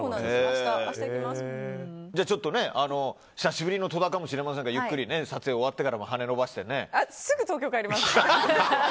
久しぶりの戸田かもしれませんからゆっくり撮影が終わってからも羽を伸ばしてね。